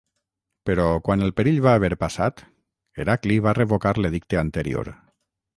Però quan el perill va haver passat Heracli va revocar l'edicte anterior.